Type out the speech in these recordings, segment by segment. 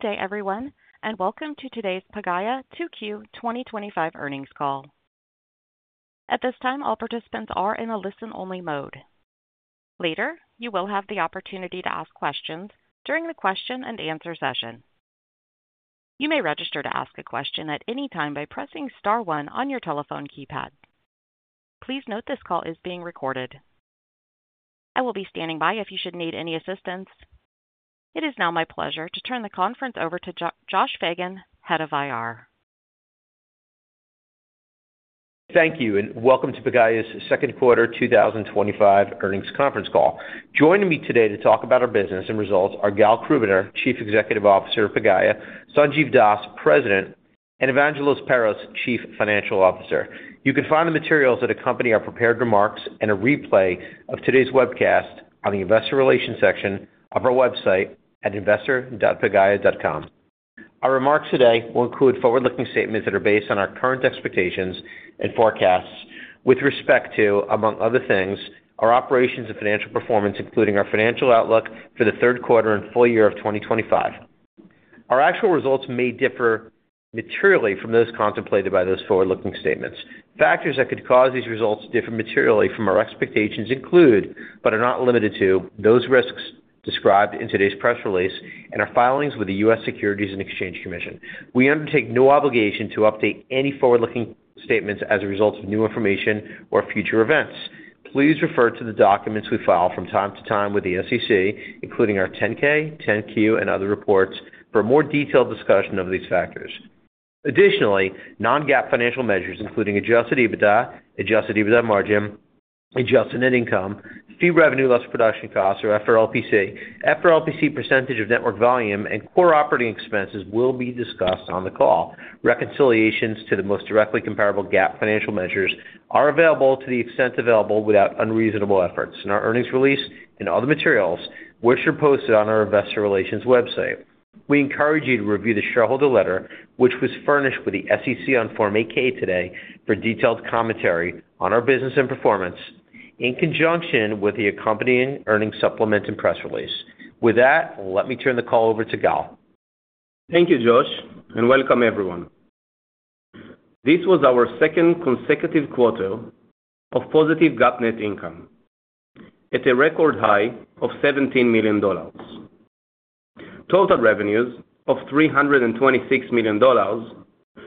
Good day, everyone, and welcome to today's Pagaya Technologies 2Q 2025 Earnings call. At this time, all participants are in a listen-only mode. Later, you will have the opportunity to ask questions during the question-and-answer session. You may register to ask a question at any time by pressing star one on your telephone keypad. Please note this call is being recorded. I will be standing by if you should need any assistance. It is now my pleasure to turn the conference over to Josh Fagen, Head of Investor Relations. Thank you, and welcome to Pagaya's Second Quarter 2025 Earnings Conference Call. Joining me today to talk about our business and results are Gal Krubiner, Chief Executive Officer of Pagaya Technologies, Sanjiv Das, President, and Evangelos Perros, Chief Financial Officer. You can find the materials that accompany our prepared remarks and a replay of today's webcast on the Investor Relations section of our website at investor.pagaya.com. Our remarks today will include forward-looking statements that are based on our current expectations and forecasts with respect to, among other things, our operations and financial performance, including our financial outlook for the third quarter and full year of 2025. Our actual results may differ materially from those contemplated by those forward-looking statements. Factors that could cause these results to differ materially from our expectations include, but are not limited to, those risks described in today's press release and our filings with the U.S. Securities and Exchange Commission. We undertake no obligation to update any forward-looking statements as a result of new information or future events. Please refer to the documents we file from time to time with the SEC, including our 10-K, 10-Q, and other reports for a more detailed discussion of these factors. Additionally, non-GAAP financial measures, including adjusted EBITDA, adjusted EBITDA margin, adjusted net income, fee revenue less production costs, or FRLPC, FRLPC percentage of network volume, and core operating expenses will be discussed on the call. Reconciliations to the most directly comparable GAAP financial measures are available to the extent available without unreasonable efforts. In our earnings release and other materials, which are posted on our Investor Relations website, we encourage you to review the shareholder letter, which was furnished with the SEC on Form 8-K today for detailed commentary on our business and performance in conjunction with the accompanying earnings supplement and press release. With that, let me turn the call over to Gal. Thank you, Josh, and welcome everyone. This was our second consecutive quarter of positive GAAP net income. It's a record high of $17 million. Total revenues of $326 million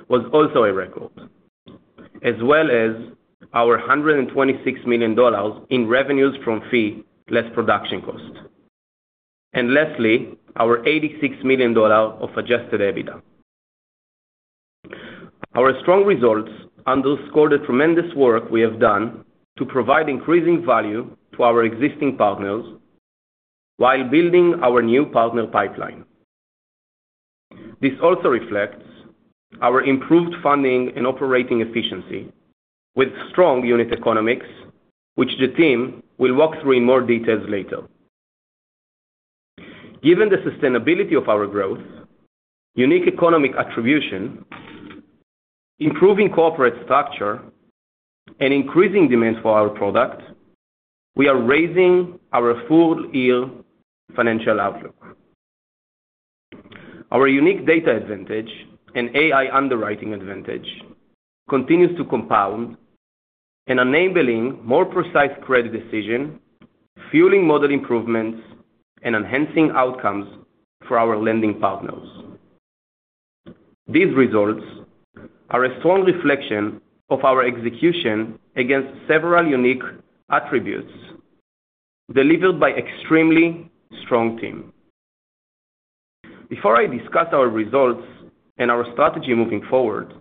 was also a record, as well as our $126 million in revenues from fee revenue less production costs. Lastly, our $86 million of adjusted EBITDA. Our strong results underscore the tremendous work we have done to provide increasing value to our existing partners while building our new partner pipeline. This also reflects our improved funding and operating efficiency with strong unit economics, which the team will walk through in more detail later. Given the sustainability of our growth, unique economic attribution, improving corporate structure, and increasing demand for our product, we are raising our full-year financial outlook. Our unique data advantage and AI underwriting advantage continue to compound and enable more precise credit decisions, fueling model improvements and enhancing outcomes for our lending partners. These results are a strong reflection of our execution against several unique attributes delivered by an extremely strong team. Before I discuss our results and our strategy moving forward,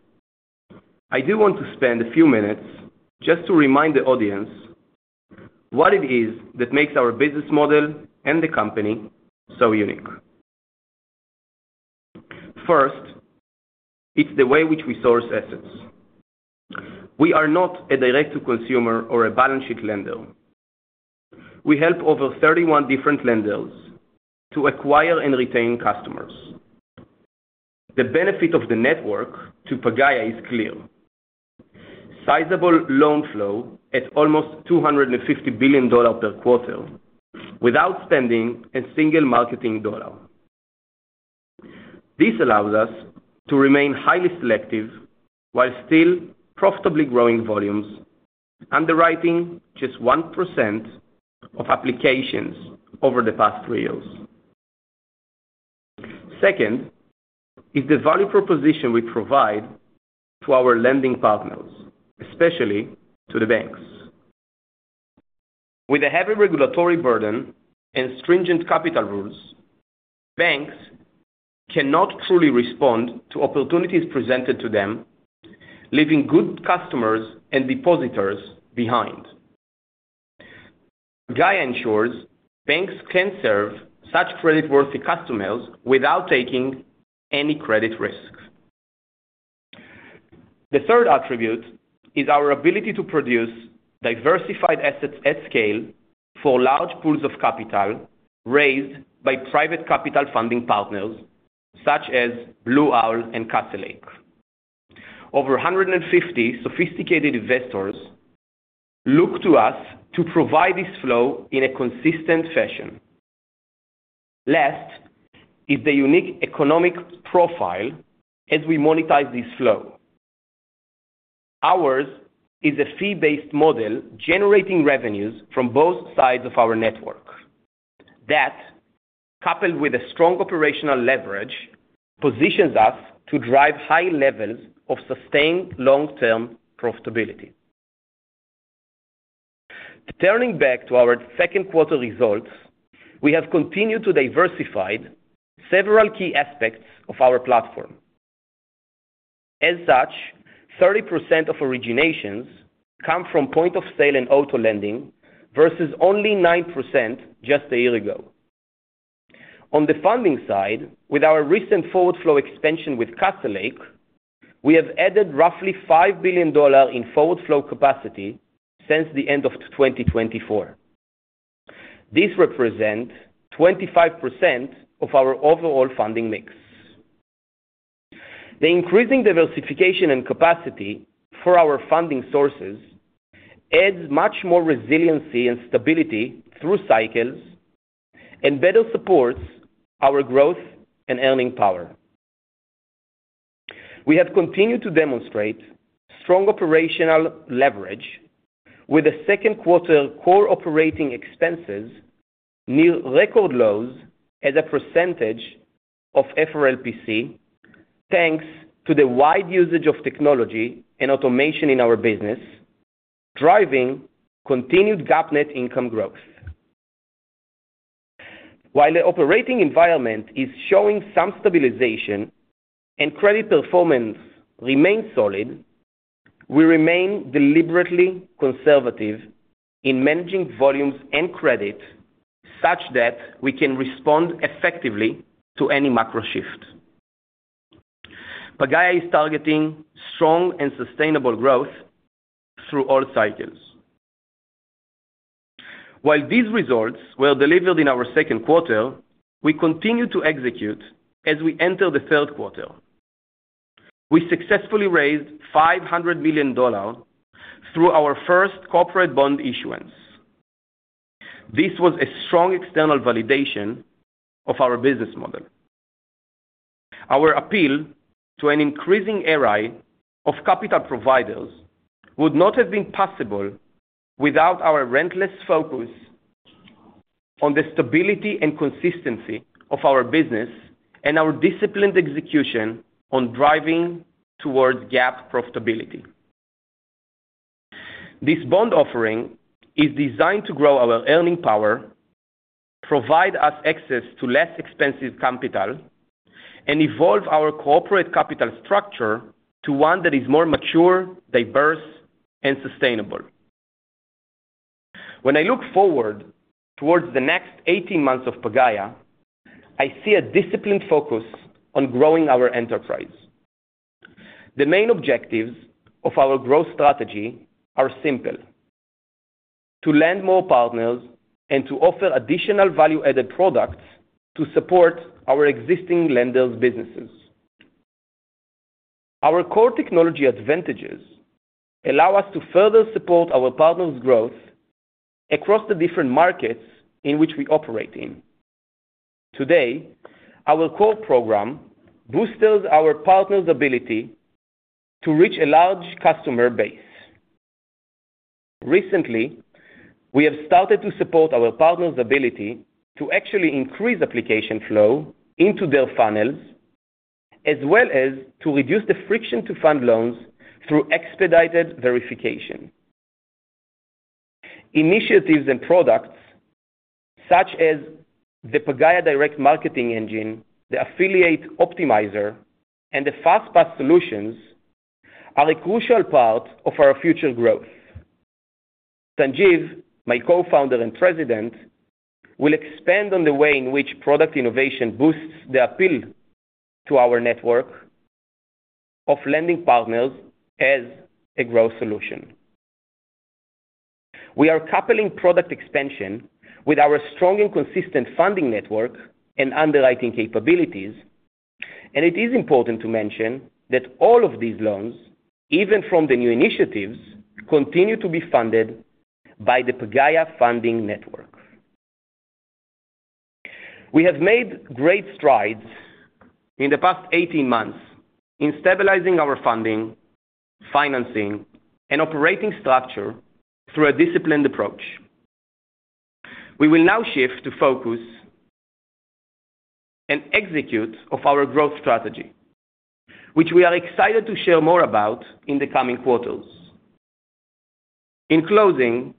I do want to spend a few minutes just to remind the audience what it is that makes our business model and the company so unique. First, it's the way in which we source assets. We are not a direct-to-consumer or a balance sheet lender. We help over 31 different lenders to acquire and retain customers. The benefit of the network to Pagaya is clear: sizable loan flow at almost $250 billion per quarter without spending a single marketing dollar. This allows us to remain highly selective while still profitably growing volumes, underwriting just 1% of applications over the past three years. Second is the value proposition we provide to our lending partners, especially to the banks. With a heavy regulatory burden and stringent capital rules, banks cannot truly respond to opportunities presented to them, leaving good customers and depositors behind. Pagaya ensures banks can serve such credit-worthy customers without taking any credit risk. The third attribute is our ability to produce diversified assets at scale for large pools of capital raised by private capital funding partners such as Blue Owl and Castlelake. Over 150 sophisticated investors look to us to provide this flow in a consistent fashion. Last is the unique economic profile as we monetize this flow. Ours is a fee-based model generating revenues from both sides of our network. That, coupled with strong operational leverage, positions us to drive high levels of sustained long-term profitability. Turning back to our second quarter results, we have continued to diversify several key aspects of our platform. As such, 30% of originations come from point-of-sale and auto lending versus only 9% just a year ago. On the funding side, with our recent forward flow expansion with Castlelake, we have added roughly $5 billion in forward flow capacity since the end of 2024. This represents 25% of our overall funding mix. The increasing diversification and capacity for our funding sources add much more resiliency and stability through cycles and better supports our growth and earning power. We have continued to demonstrate strong operational leverage with the second quarter core operating expenses near record lows as a percentage of FRLPC, thanks to the wide usage of technology and automation in our business, driving continued GAAP net income growth. While the operating environment is showing some stabilization and credit performance remains solid, we remain deliberately conservative in managing volumes and credit such that we can respond effectively to any macro shift. Pagaya Technologies is targeting strong and sustainable growth through all cycles. While these results were delivered in our second quarter, we continue to execute as we enter the third quarter. We successfully raised $500 million through our first corporate bond issuance. This was a strong external validation of our business model. Our appeal to an increasing array of capital providers would not have been possible without our relentless focus on the stability and consistency of our business and our disciplined execution on driving towards GAAP profitability. This bond offering is designed to grow our earning power, provide us access to less expensive capital, and evolve our corporate capital structure to one that is more mature, diverse, and sustainable. When I look forward towards the next 18 months of Pagaya Technologies, I see a disciplined focus on growing our enterprise. The main objectives of our growth strategy are simple: to lend more partners and to offer additional value-added products to support our existing lenders' businesses. Our core technology advantages allow us to further support our partners' growth across the different markets in which we operate. Today, our core program boosts our partners' ability to reach a large customer base. Recently, we have started to support our partners' ability to actually increase application flow into their funnels, as well as to reduce the friction to fund loans through expedited verification. Initiatives and products such as the Pagaya Direct Marketing Engine, the Affiliate Optimizer, and the FastPass Solutions are a crucial part of our future growth. Sanjiv, my Co-Founder and President, will expand on the way in which product innovation boosts the appeal to our network of lending partners as a growth solution. We are coupling product expansion with our strong and consistent funding network and underwriting capabilities, and it is important to mention that all of these loans, even from the new initiatives, continue to be funded by the Pagaya funding network. We have made great strides in the past 18 months in stabilizing our funding, financing, and operating structure through a disciplined approach. We will now shift to focus and execute on our growth strategy, which we are excited to share more about in the coming quarters. In closing,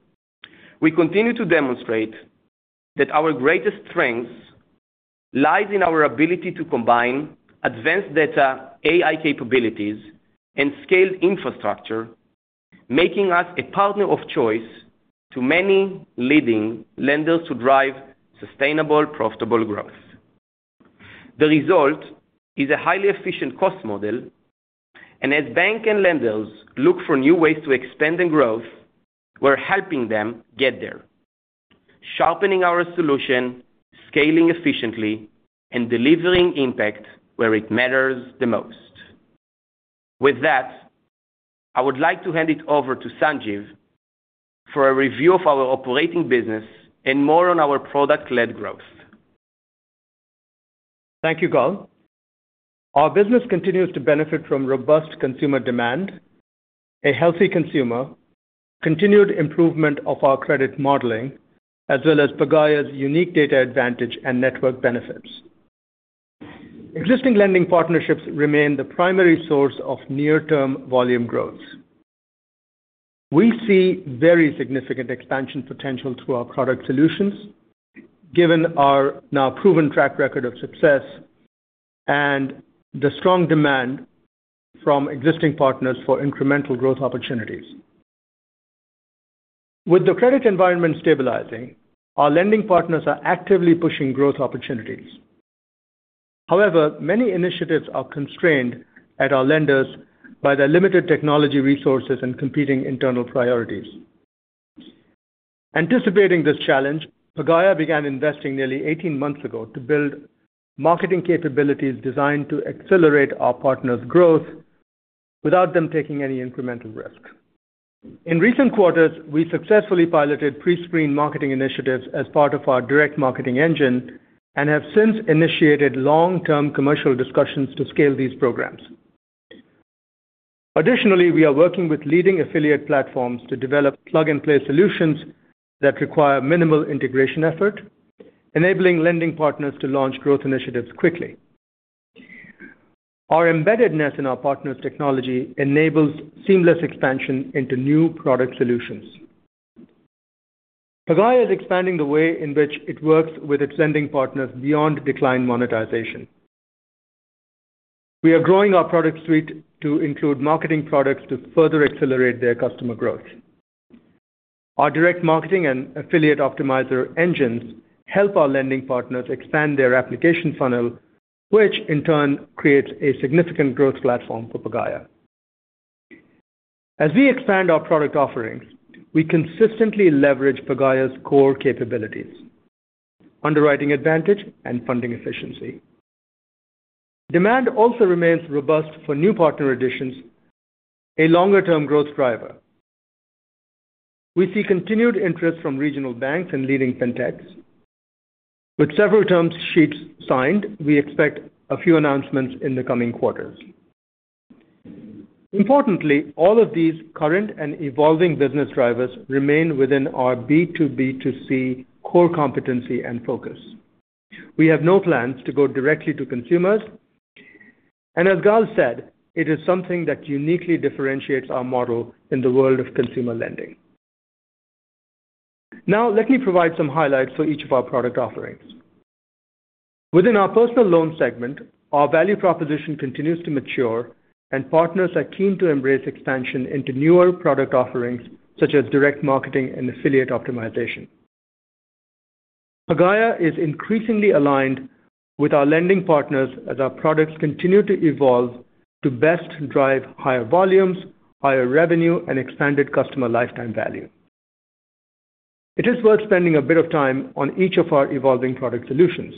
we continue to demonstrate that our greatest strength lies in our ability to combine advanced data, AI capabilities, and scaled infrastructure, making us a partner of choice to many leading lenders to drive sustainable, profitable growth. The result is a highly efficient cost model, and as banks and lenders look for new ways to expand and grow, we're helping them get there, sharpening our solution, scaling efficiently, and delivering impact where it matters the most. With that, I would like to hand it over to Sanjiv for a review of our operating business and more on our product-led growth. Thank you, Gal. Our business continues to benefit from robust consumer demand, a healthy consumer, continued improvement of our credit modeling, as well as Pagaya's unique data advantage and network benefits. Existing lending partnerships remain the primary source of near-term volume growth. We see very significant expansion potential through our product solutions, given our now proven track record of success and the strong demand from existing partners for incremental growth opportunities. With the credit environment stabilizing, our lending partners are actively pushing growth opportunities. However, many initiatives are constrained at our lenders by their limited technology resources and competing internal priorities. Anticipating this challenge, Pagaya began investing nearly 18 months ago to build marketing capabilities designed to accelerate our partners' growth without them taking any incremental risks. In recent quarters, we successfully piloted pre-screen marketing initiatives as part of our Direct Marketing Engine and have since initiated long-term commercial discussions to scale these programs. Additionally, we are working with leading affiliate platforms to develop plug-and-play solutions that require minimal integration effort, enabling lending partners to launch growth initiatives quickly. Our embeddedness in our partners' technology enables seamless expansion into new product solutions. Pagaya is expanding the way in which it works with its lending partners beyond decline monetization. We are growing our product suite to include marketing products to further accelerate their customer growth. Our direct marketing and Affiliate Optimizer engines help our lending partners expand their application funnel, which in turn creates a significant growth platform for Pagaya. As we expand our product offering, we consistently leverage Pagaya's core capabilities: underwriting advantage and funding efficiency. Demand also remains robust for new partner additions, a longer-term growth driver. We see continued interest from regional banks and leading fintechs. With several term sheets signed, we expect a few announcements in the coming quarters. Importantly, all of these current and evolving business drivers remain within our B2B2C core competency and focus. We have no plans to go directly to consumers, and as Gal said, it is something that uniquely differentiates our model in the world of consumer lending. Now, let me provide some highlights for each of our product offerings. Within our personal loan segment, our value proposition continues to mature, and partners are keen to embrace expansion into newer product offerings such as direct marketing and affiliate optimization. Pagaya is increasingly aligned with our lending partners as our products continue to evolve to best drive higher volumes, higher revenue, and expanded customer lifetime value. It is worth spending a bit of time on each of our evolving product solutions.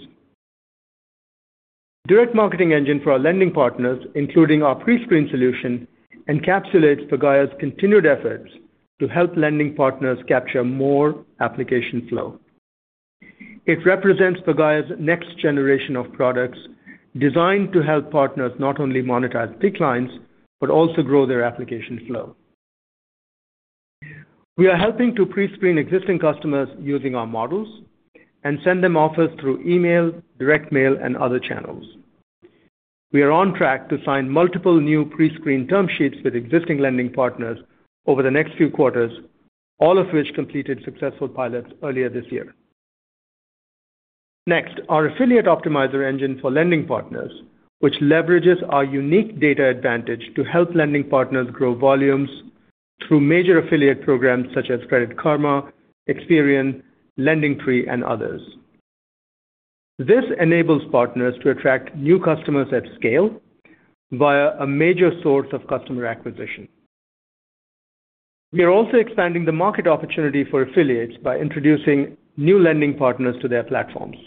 The Direct Marketing Engine for our lending partners, including our pre-screen solution, encapsulates Pagaya's continued efforts to help lending partners capture more application flow. It represents Pagaya's next generation of products designed to help partners not only monetize big clients but also grow their application flow. We are helping to pre-screen existing customers using our models and send them offers through email, direct mail, and other channels. We are on track to sign multiple new pre-screen term sheets with existing lending partners over the next few quarters, all of which completed successful pilots earlier this year. Next, our Affiliate Optimizer engine for lending partners, which leverages our unique data advantage to help lending partners grow volumes through major affiliate programs such as Credit Karma, Experian, LendingTree, and others. This enables partners to attract new customers at scale via a major source of customer acquisition. We are also expanding the market opportunity for affiliates by introducing new lending partners to their platforms.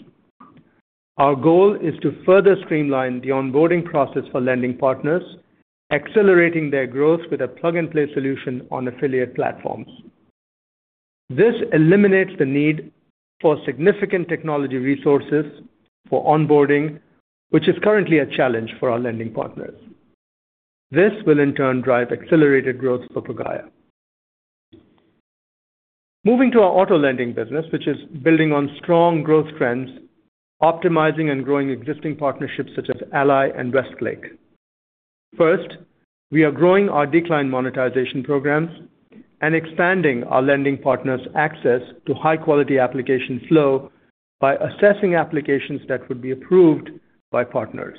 Our goal is to further streamline the onboarding process for lending partners, accelerating their growth with a plug-and-play solution on affiliate platforms. This eliminates the need for significant technology resources for onboarding, which is currently a challenge for our lending partners. This will in turn drive accelerated growth for Pagaya. Moving to our auto lending business, which is building on strong growth trends, optimizing and growing existing partnerships such as Ally and Westlake. First, we are growing our decline monetization programs and expanding our lending partners' access to high-quality application flow by assessing applications that would be approved by partners.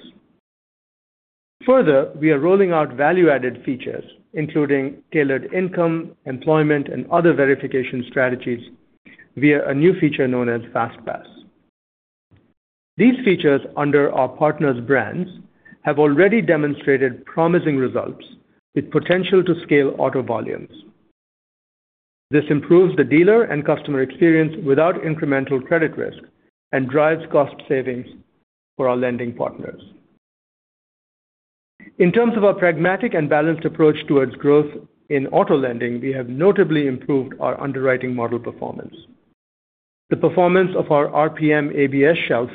Further, we are rolling out value-added features, including tailored income, employment, and other verification strategies via a new feature known as FastPass Solutions. These features under our partners' brands have already demonstrated promising results with potential to scale auto volumes. This improves the dealer and customer experience without incremental credit risk and drives cost savings for our lending partners. In terms of our pragmatic and balanced approach towards growth in auto lending, we have notably improved our underwriting model performance. The performance of our RPM ABS shelves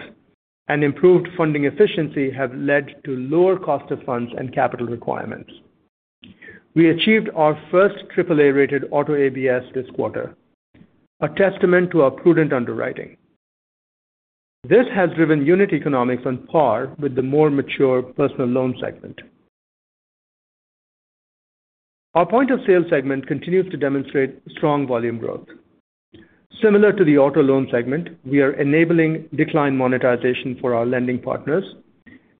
and improved funding efficiency have led to lower cost of funds and capital requirements. We achieved our first AAA-rated auto ABS this quarter, a testament to our prudent underwriting. This has driven unit economics on par with the more mature personal loan segment. Our point-of-sale segment continues to demonstrate strong volume growth. Similar to the auto loan segment, we are enabling decline monetization for our lending partners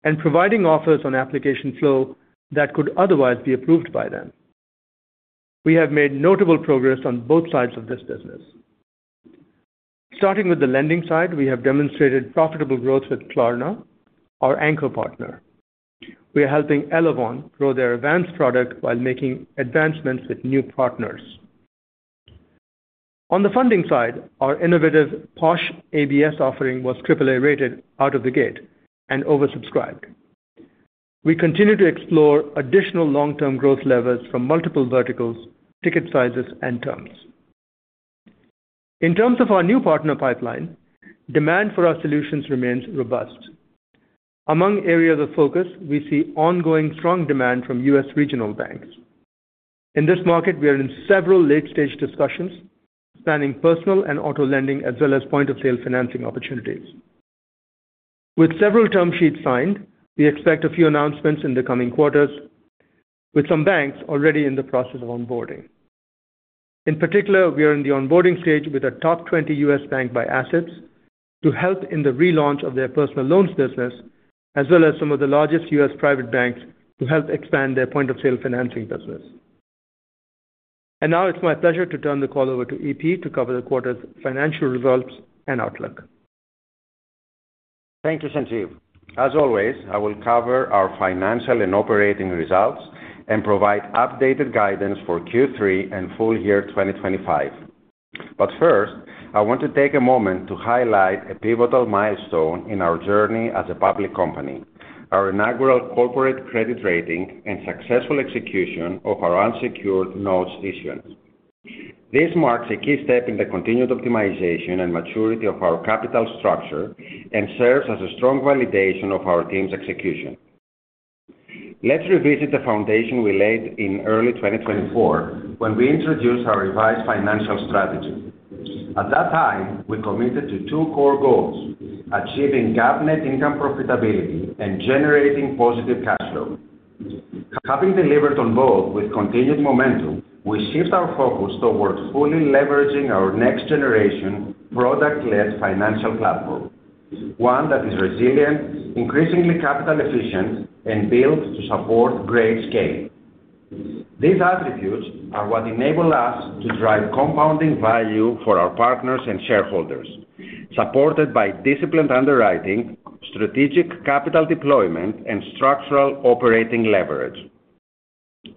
and providing offers on application flow that could otherwise be approved by them. We have made notable progress on both sides of this business. Starting with the lending side, we have demonstrated profitable growth with Klarna, our anchor partner. We are helping Eleven grow their advanced product while making advancements with new partners. On the funding side, our innovative POS ABS offering was AAA-rated out of the gate and oversubscribed. We continue to explore additional long-term growth levels from multiple verticals, ticket sizes, and terms. In terms of our new partner pipeline, demand for our solutions remains robust. Among areas of focus, we see ongoing strong demand from U.S. regional banks. In this market, we are in several late-stage discussions, planning personal and auto lending, as well as point-of-sale financing opportunities. With several term sheets signed, we expect a few announcements in the coming quarters, with some banks already in the process of onboarding. In particular, we are in the onboarding stage with a top 20 U.S. bank by assets to help in the relaunch of their personal loans business, as well as some of the largest U.S. private banks to help expand their point-of-sale financing business. Now it's my pleasure to turn the call over to EP to cover the quarter's financial results and outlook. Thank you, Sanjiv. As always, I will cover our financial and operating results and provide updated guidance for Q3 and full year 2025. First, I want to take a moment to highlight a pivotal milestone in our journey as a public company: our inaugural corporate credit rating and successful execution of our unsecured notes issuance. This marks a key step in the continued optimization and maturity of our capital structure and serves as a strong validation of our team's execution. Let's revisit the foundation we laid in early 2024 when we introduced our revised financial strategy. At that time, we committed to two core goals: achieving GAAP net income profitability and generating positive cash flow. Having delivered on both with continued momentum, we shift our focus towards fully leveraging our next-generation product-led financial platform, one that is resilient, increasingly capital efficient, and built to support great scale. These attributes are what enable us to drive compounding value for our partners and shareholders, supported by disciplined underwriting, strategic capital deployment, and structural operating leverage.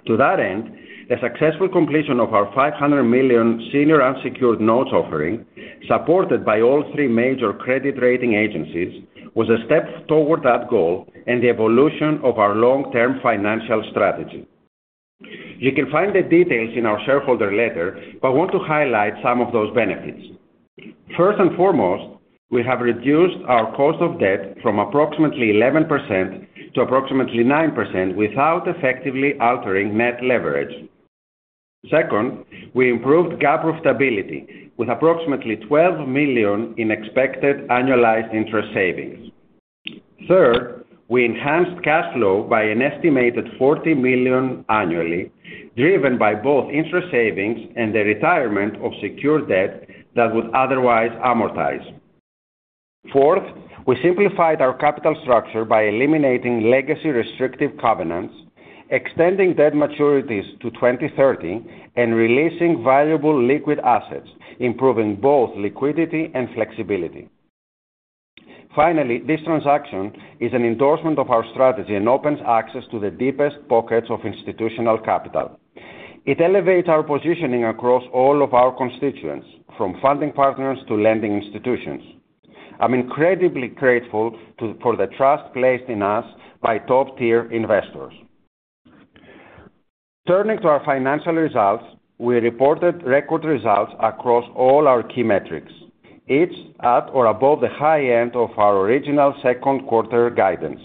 To that end, the successful completion of our $500 million senior unsecured notes offering, supported by all three major credit rating agencies, was a step toward that goal and the evolution of our long-term financial strategy. You can find the details in our shareholder letter, but I want to highlight some of those benefits. First and foremost, we have reduced our cost of debt from approximately 11% to approximately 9% without effectively altering net leverage. Second, we improved GAAP profitability with approximately $12 million in expected annualized interest savings. Third, we enhanced cash flow by an estimated $40 million annually, driven by both interest savings and the retirement of secured debt that would otherwise amortize. Fourth, we simplified our capital structure by eliminating legacy restrictive covenants, extending debt maturities to 2030, and releasing valuable liquid assets, improving both liquidity and flexibility. Finally, this transaction is an endorsement of our strategy and opens access to the deepest pockets of institutional capital. It elevates our positioning across all of our constituents, from funding partners to lending institutions. I'm incredibly grateful for the trust placed in us by top-tier investors. Turning to our financial results, we reported record results across all our key metrics, each at or above the high end of our original second quarter guidance.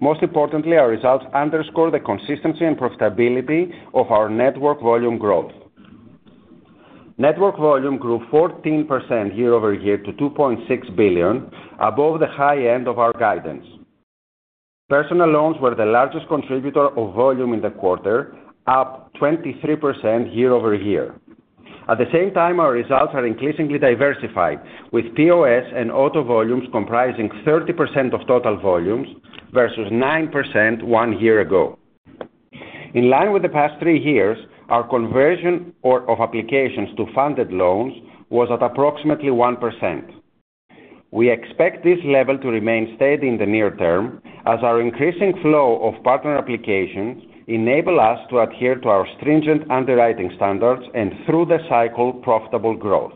Most importantly, our results underscore the consistency and profitability of our network volume growth. Network volume grew 14% year over year to $2.6 billion, above the high end of our guidance. Personal loans were the largest contributor of volume in the quarter, up 23% year-over-year. At the same time, our results are increasingly diversified, with POS and auto volumes comprising 30% of total volumes versus 9% one year ago. In line with the past three years, our conversion of applications to funded loans was at approximately 1%. We expect this level to remain steady in the near term, as our increasing flow of partner applications enables us to adhere to our stringent underwriting standards and through the cycle, profitable growth.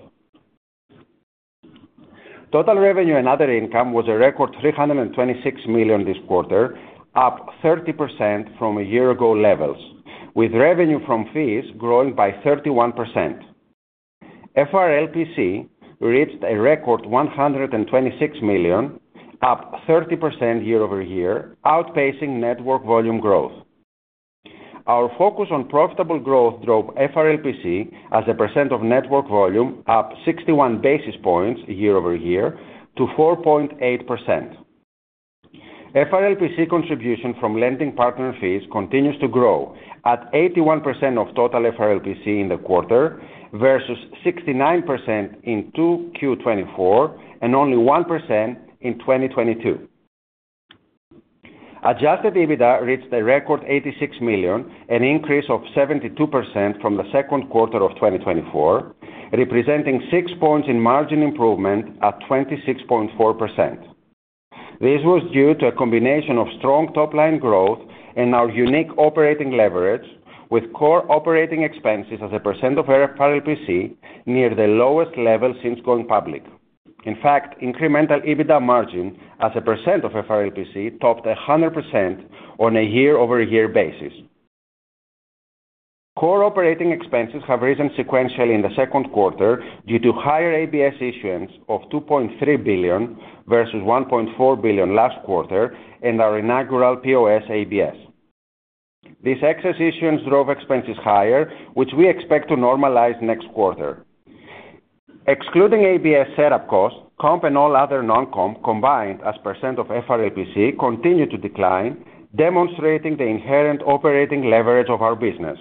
Total revenue and other income was a record $326 million this quarter, up 30% from a year ago levels, with revenue from fees growing by 31%. FRLPC reached a record $126 million, up 30% year-over-year, outpacing network volume growth. Our focus on profitable growth drove FRLPC as the percent of network volume up 61 basis points year over year to 4.8%. FRLPC contribution from lending partner fees continues to grow at 81% of total FRLPC in the quarter versus 69% in Q2 and only 1% in 2022. Adjusted EBITDA reached a record $86 million, an increase of 72% from the second quarter of 2024, representing six points in margin improvement at 26.4%. This was due to a combination of strong top-line growth and our unique operating leverage, with core operating expenses as a percent of FRLPC near the lowest level since going public. In fact, incremental EBITDA margin as a percent of FRLPC topped 100% on a year-over-year basis. Core operating expenses have risen sequentially in the second quarter due to higher ABS issuance of $2.3 billion versus $1.4 billion last quarter and our inaugural POS ABS. This excess issuance drove expenses higher, which we expect to normalize next quarter. Excluding ABS setup costs, comp and all other non-comp combined as percent of FRLPC continue to decline, demonstrating the inherent operating leverage of our business.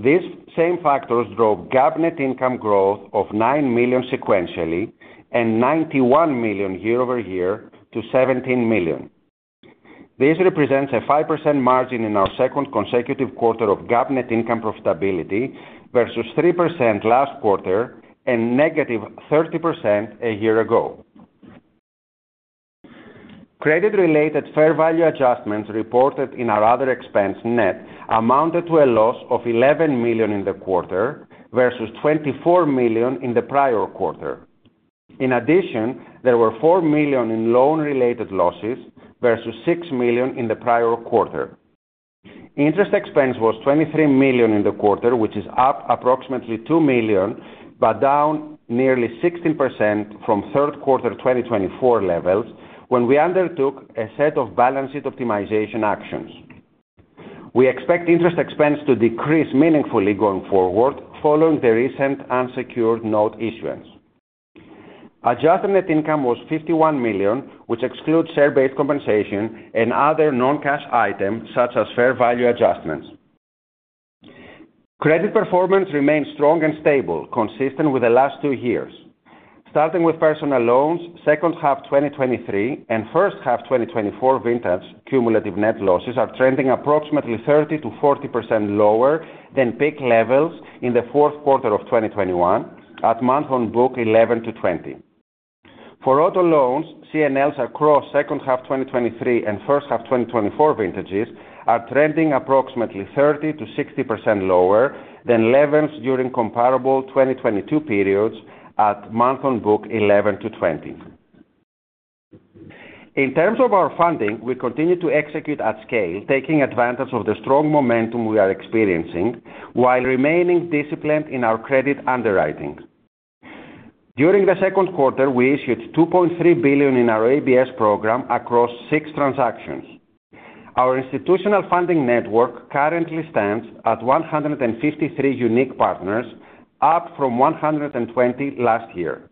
These same factors drove GAAP net income growth of $9 million sequentially and $91 million year over year to $17 million. This represents a 5% margin in our second consecutive quarter of GAAP net income profitability versus 3% last quarter and negative 30% a year ago. Credit-related fair value adjustments reported in our other expense, net, amounted to a loss of $11 million in the quarter versus $24 million in the prior quarter. In addition, there were $4 million in loan-related losses versus $6 million in the prior quarter. Interest expense was $23 million in the quarter, which is up approximately $2 million, but down nearly 16% from third quarter 2023 levels when we undertook a set of balance sheet optimization actions. We expect interest expense to decrease meaningfully going forward following the recent unsecured note issuance. Adjusted net income was $51 million, which excludes share-based compensation and other non-cash items such as fair value adjustments. Credit performance remains strong and stable, consistent with the last two years. Starting with personal loans, second half 2023 and first half 2024 vintage cumulative net losses are trending approximately 30%-40% lower than peak levels in the fourth quarter of 2021 at month-on-book 11 to 20. For auto loans, CNLs across second half 2023 and first half 2024 vintages are trending approximately 30% to 60% lower than levels during comparable 2022 periods at month-on-book 11-20. In terms of our funding, we continue to execute at scale, taking advantage of the strong momentum we are experiencing while remaining disciplined in our credit underwriting. During the second quarter, we issued $2.3 billion in our ABS program across six transactions. Our institutional funding network currently stands at 153 unique partners, up from 120 last year.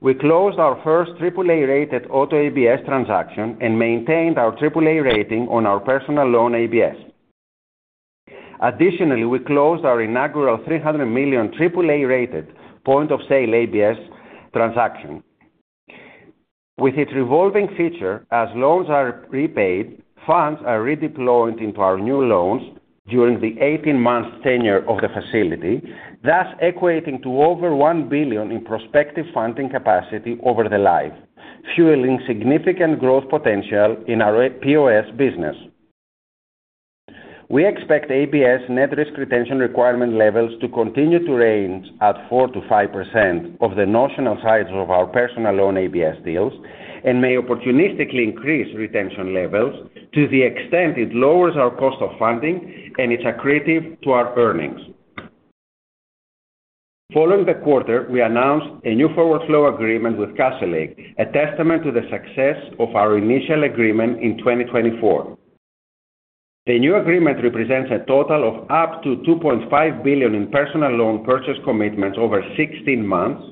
We closed our first AAA-rated auto ABS transaction and maintained our AAA rating on our personal loan ABS. Additionally, we closed our inaugural $300 million AAA-rated point-of-sale ABS transaction. With its revolving feature, as loans are repaid, funds are redeployed into our new loans during the 18-month tenure of the facility, thus equating to over $1 billion in prospective funding capacity over the life, fueling significant growth potential in our POS business. We expect ABS net risk retention requirement levels to continue to range at 4%-5% of the notional size of our personal loan ABS deals and may opportunistically increase retention levels to the extent it lowers our cost of funding and it's accretive to our earnings. Following the quarter, we announced a new forward flow agreement with Castlelake, a testament to the success of our initial agreement in 2024. The new agreement represents a total of up to $2.5 billion in personal loan purchase commitments over 16 months,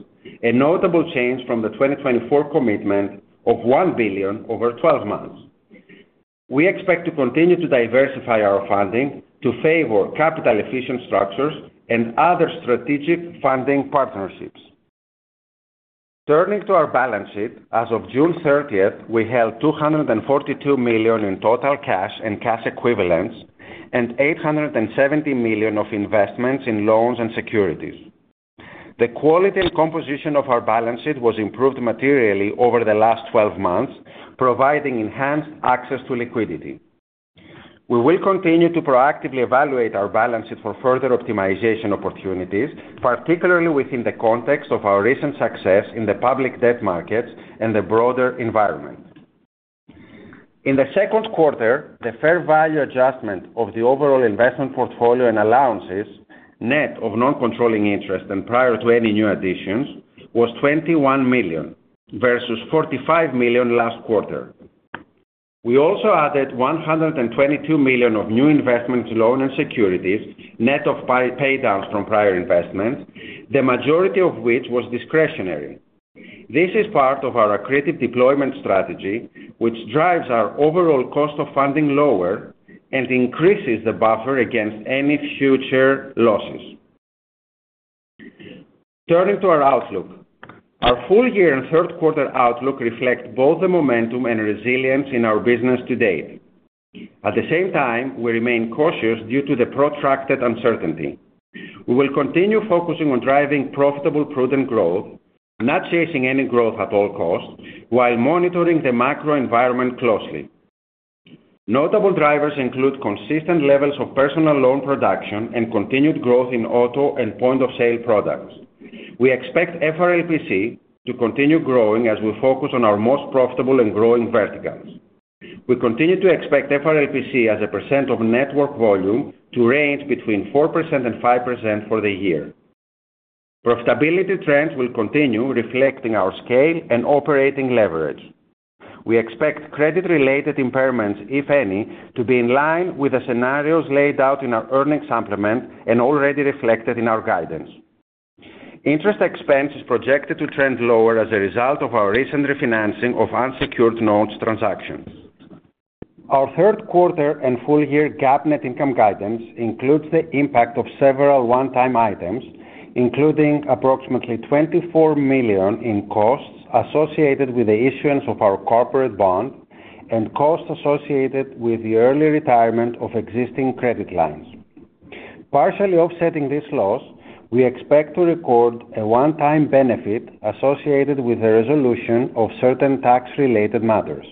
a notable change from the 2024 commitment of $1 billion over 12 months. We expect to continue to diversify our funding to favor capital efficient structures and other strategic funding partnerships. Turning to our balance sheet, as of June 30th, we held $242 million in total cash and cash equivalents and $870 million of investments in loans and securities. The quality and composition of our balance sheet was improved materially over the last 12 months, providing enhanced access to liquidity. We will continue to proactively evaluate our balance sheet for further optimization opportunities, particularly within the context of our recent success in the public debt markets and the broader environment. In the second quarter, the fair value adjustment of the overall investment portfolio and allowances, net of non-controlling interest and prior to any new additions, was $21 million versus $45 million last quarter. We also added $122 million of new investments, loans, and securities, net of paydowns from prior investments, the majority of which was discretionary. This is part of our accretive deployment strategy, which drives our overall cost of funding lower and increases the buffer against any future losses. Turning to our outlook, our full year and third quarter outlook reflect both the momentum and resilience in our business to date. At the same time, we remain cautious due to the protracted uncertainty. We will continue focusing on driving profitable, prudent growth, not chasing any growth at all costs, while monitoring the macro environment closely. Notable drivers include consistent levels of personal loan production and continued growth in auto and point-of-sale products. We expect FRLPC to continue growing as we focus on our most profitable and growing verticals. We continue to expect FRLPC as a percent of network volume to range between 4% and 5% for the year. Profitability trends will continue, reflecting our scale and operating leverage. We expect credit-related impairments, if any, to be in line with the scenarios laid out in our earnings supplement and already reflected in our guidance. Interest expense is projected to trend lower as a result of our recent refinancing of unsecured notes transactions. Our third quarter and full year GAAP net income guidance includes the impact of several one-time items, including approximately $24 million in costs associated with the issuance of our corporate bond and costs associated with the early retirement of existing credit lines. Partially offsetting this loss, we expect to record a one-time benefit associated with the resolution of certain tax-related matters.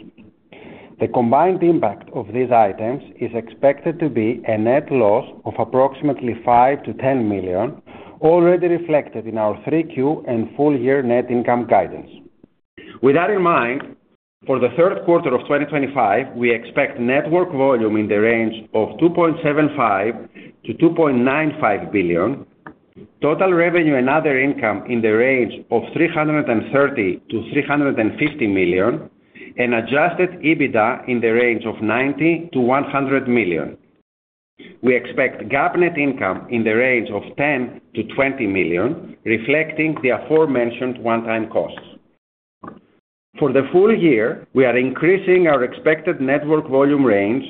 The combined impact of these items is expected to be a net loss of approximately $5 million-$10 million, already reflected in our 3Q and full year net income guidance. With that in mind, for the third quarter of 2025, we expect network volume in the range of $2.75 billion-$2.95 billion, total revenue and other income in the range of $330 million-$350 million, and adjusted EBITDA in the range of $90 million-$100 million. We expect GAAP net income in the range of $10 million- $20 million, reflecting the aforementioned one-time costs. For the full year, we are increasing our expected network volume range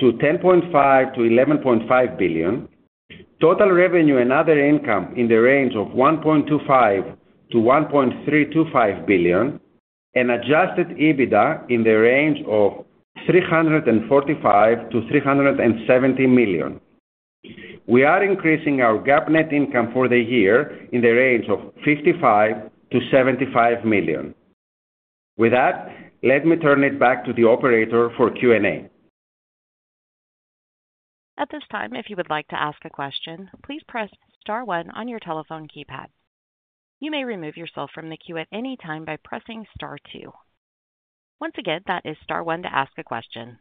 to $10.5 billion-$11.5 billion, total revenue and other income in the range of $1.25 billion-$1.325 billion, and adjusted EBITDA in the range of $345 million-$370 million. We are increasing our GAAP net income for the year in the range of $55 million-$75 million. With that, let me turn it back to the operator for Q&A. At this time, if you would like to ask a question, please press star one on your telephone keypad. You may remove yourself from the queue at any time by pressing star two. Once again, that is star one to ask a question.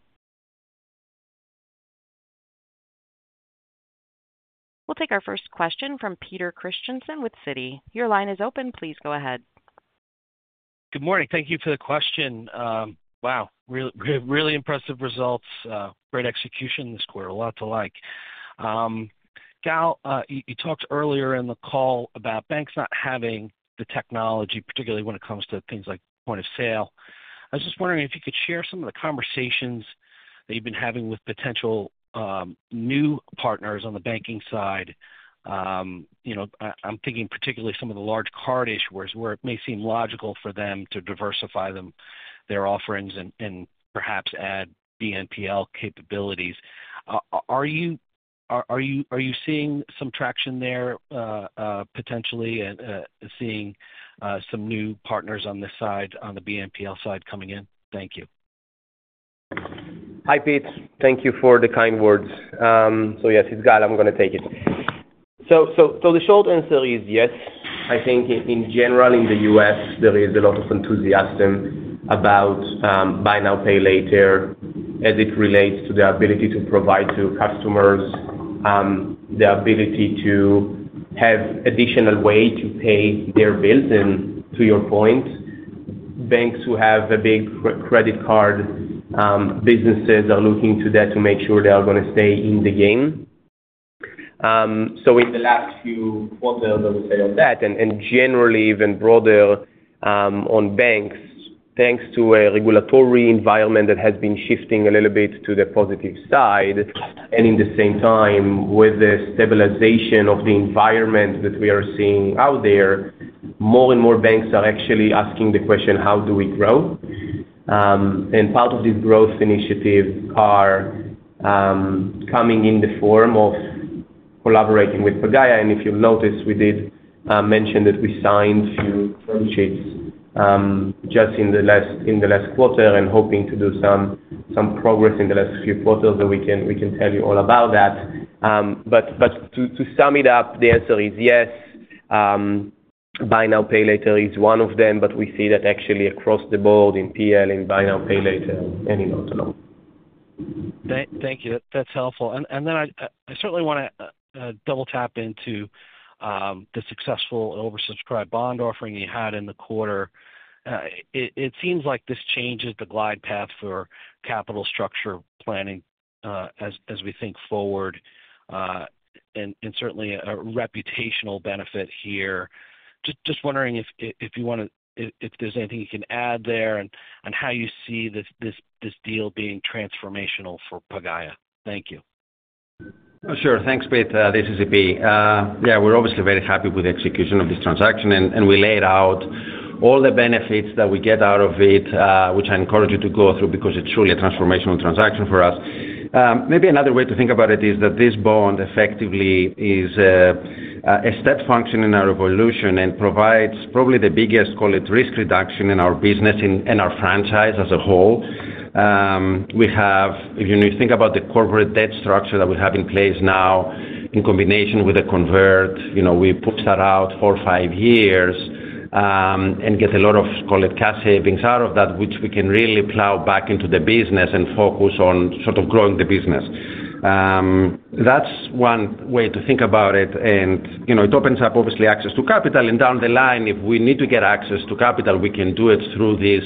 We'll take our first question from Peter Christiansen with Citi. Your line is open, please go ahead. Good morning. Thank you for the question. Wow, really impressive results. Great execution this quarter, a lot to like. Gal, you talked earlier in the call about banks not having the technology, particularly when it comes to things like point-of-sale. I was just wondering if you could share some of the conversations that you've been having with potential new partners on the banking side. I'm thinking particularly some of the large card issuers where it may seem logical for them to diversify their offerings and perhaps add BNPL capabilities. Are you seeing some traction there potentially and seeing some new partners on this side, on the BNPL side coming in? Thank you. Hi, Pete. Thank you for the kind words. Yes, it's Gal. I'm going to take it. The short answer is yes. I think in general, in the U.S., there is a lot of enthusiasm about buy now, pay later as it relates to the ability to provide to customers the ability to have an additional way to pay their bills. To your point, banks who have a big credit card business are looking to that to make sure they are going to stay in the game. In the last few quarters, I would say on that and generally even broader on banks, thanks to a regulatory environment that has been shifting a little bit to the positive side, and at the same time with the stabilization of the environment that we are seeing out there, more and more banks are actually asking the question, how do we grow? Part of this growth initiative is coming in the form of collaborating with Pagaya. If you'll notice, we did mention that we signed a few crowd sheets just in the last quarter and hoping to do some progress in the last few quarters, so we can tell you all about that. To sum it up, the answer is yes. Buy now, pay later is one of them, but we see that actually across the board in personal loans and buy now, pay later and in auto loans. Thank you. That's helpful. I certainly want to double tap into the successful and oversubscribed bond offering you had in the quarter. It seems like this changes the glide path for capital structure planning as we think forward and certainly a reputational benefit here. Just wondering if you want to, if there's anything you can add there and how you see this deal being transformational for Pagaya. Thank you. Oh, sure. Thanks, Pete. This is EP. Yeah, we're obviously very happy with the execution of this transaction, and we laid out all the benefits that we get out of it, which I encourage you to go through because it's truly a transformational transaction for us. Maybe another way to think about it is that this bond effectively is a step function in our evolution and provides probably the biggest, call it, risk reduction in our business and our franchise as a whole. If you think about the corporate debt structure that we have in place now in combination with the convert, you know, we push that out four or five years and get a lot of, call it, cash savings out of that, which we can really plow back into the business and focus on sort of growing the business. That's one way to think about it. It opens up obviously access to capital, and down the line, if we need to get access to capital, we can do it through this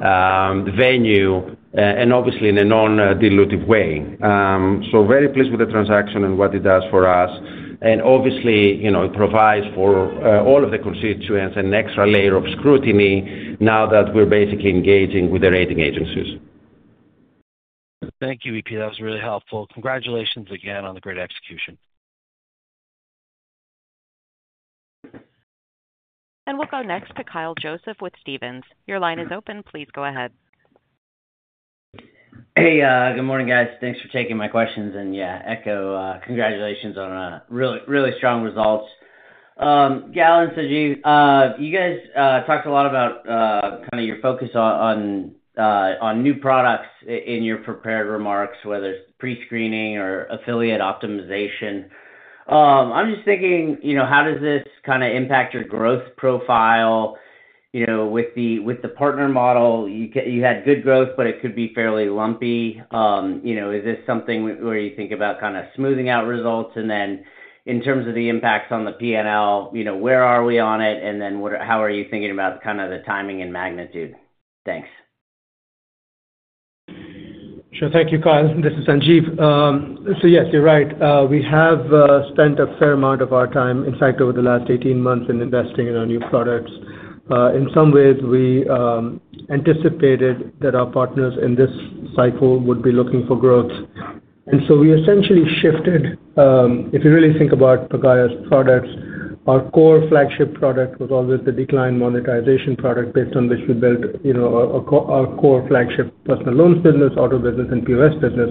venue and obviously in a non-dilutive way. Very pleased with the transaction and what it does for us. Obviously, it provides for all of the constituents an extra layer of scrutiny now that we're basically engaging with the rating agencies. Thank you, EP. That was really helpful. Congratulations again on the great execution. We will go next to Kyle Joseph with Stephens. Your line is open. Please go ahead. Hey, good morning, guys. Thanks for taking my questions. Yeah, echo, congratulations on really, really strong results. Gal and Sanjiv, you guys talked a lot about kind of your focus on new products in your prepared remarks, whether it's pre-screening or Affiliate Optimizer. I'm just thinking, you know, how does this kind of impact your growth profile? With the partner model, you had good growth, but it could be fairly lumpy. Is this something where you think about kind of smoothing out results? In terms of the impacts on the P&L, where are we on it? How are you thinking about kind of the timing and magnitude? Thanks. Sure. Thank you, Kyle. This is Sanjiv. Yes, you're right. We have spent a fair amount of our time, in fact, over the last 18 months investing in our new products. In some ways, we anticipated that our partners in this cycle would be looking for growth. We essentially shifted, if you really think about Pagaya's products, our core flagship product was always the decline monetization product based on which we built our core flagship personal loans business, auto business, and point-of-sale business.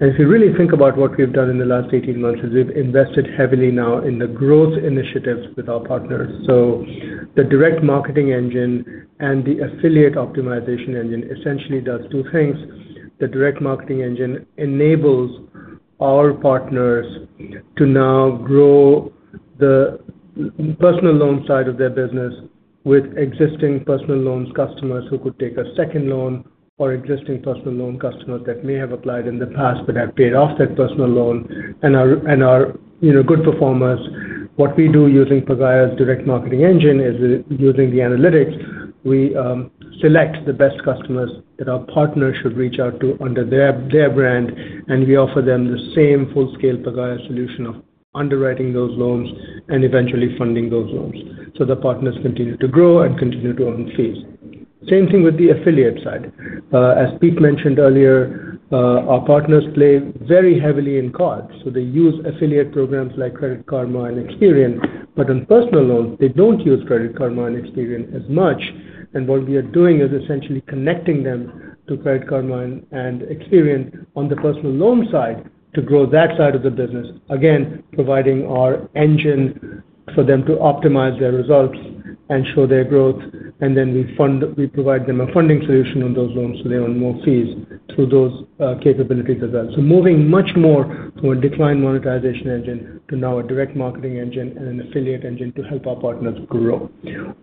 If you really think about what we've done in the last 18 months, we've invested heavily now in the growth initiatives with our partners. The Pagaya Direct Marketing Engine and the Affiliate Optimizer essentially do two things. The Pagaya Direct Marketing Engine enables our partners to now grow the personal loan side of their business with existing personal loans customers who could take a second loan or existing personal loan customers that may have applied in the past but have paid off that personal loan and are good performers. What we do using Pagaya's Direct Marketing Engine is using the analytics. We select the best customers that our partners should reach out to under their brand, and we offer them the same full-scale Pagaya solution of underwriting those loans and eventually funding those loans so the partners continue to grow and continue to earn fees. Same thing with the affiliate side. As Pete mentioned earlier, our partners play very heavily in cards. They use affiliate programs like Credit Karma and Experian, but on personal loans, they don't use Credit Karma and Experian as much. What we are doing is essentially connecting them to Credit Karma and Experian on the personal loan side to grow that side of the business, again providing our engine for them to optimize their results and show their growth. We provide them a funding solution on those loans so they earn more fees through those capabilities as well. We are moving much more from a decline monetization engine to now a direct marketing engine and an affiliate engine to help our partners grow.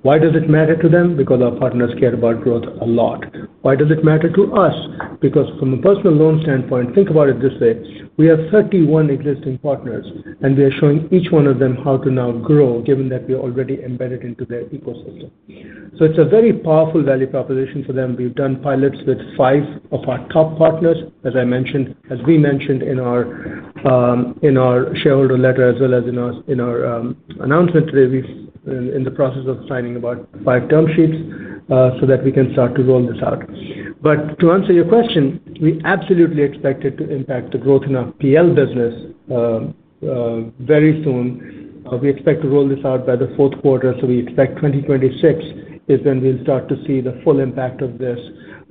Why does it matter to them? Because our partners care about growth a lot. Why does it matter to us? Because from a personal loan standpoint, think about it this way. We have 31 existing partners, and we are showing each one of them how to now grow, given that we are already embedded into their ecosystem. It's a very powerful value proposition for them. We've done pilots with five of our top partners, as I mentioned in our shareholder letter, as well as in our announcement today. We're in the process of signing about five term sheets so that we can start to roll this out. To answer your question, we absolutely expect it to impact the growth in our PL business very soon. We expect to roll this out by the fourth quarter. We expect 2026 is when we'll start to see the full impact of this.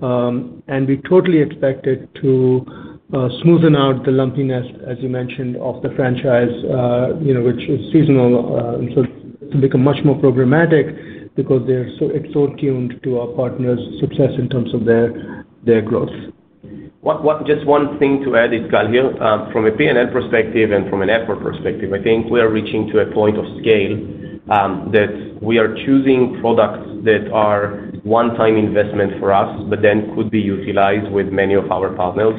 We totally expect it to smoothen out the lumpiness, as you mentioned, of the franchise, which is seasonal. It will become much more problematic because it's so tuned to our partners' success in terms of their growth. What. Just one thing to add is, Gal here. From a P&L perspective and from an effort perspective, I think we are reaching to a point of scale that we are choosing products that are one-time investments for us, but then could be utilized with many of our partners.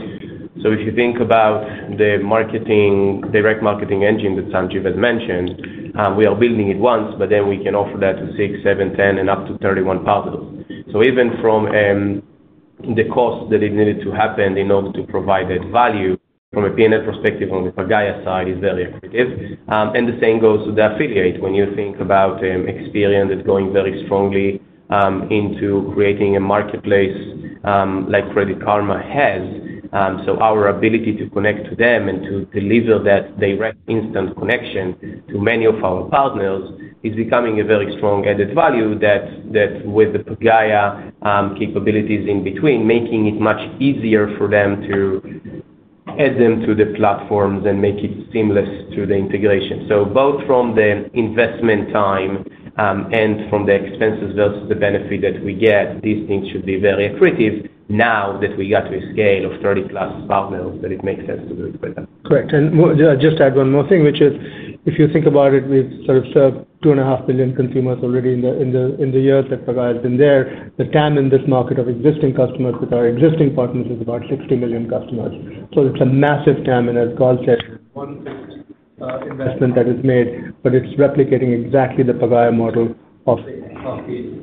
If you think about the Pagaya Direct Marketing Engine that Sanjiv has mentioned, we are building it once, but then we can offer that to 6, 7, 10, and up to 31 partners. Even from the cost that it needed to happen in order to provide that value from a P&L perspective on the Pagaya side, it is very effective. The same goes to the affiliate. When you think about Experian going very strongly into creating a marketplace like Credit Karma has, our ability to connect to them and to deliver that direct instant connection to many of our partners is becoming a very strong added value that with the Pagaya capabilities in between, making it much easier for them to add them to the platforms and make it seamless through the integration. Both from the investment time and from the expenses versus the benefit that we get, these things should be very accretive now that we got to a scale of 30 plus partners that it makes sense to do it. Correct. I'll just add one more thing, which is if you think about it, we've sort of served 2.5 million consumers already in the years that Pagaya has been there. The TAM in this market of existing customers with our existing partners is about 60 million customers. It is a massive TAM in a call set investment that is made, but it's replicating exactly the Pagaya model of